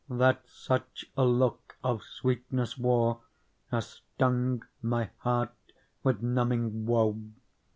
That such a look of sweetness wore. As stung my heart with numbing woe.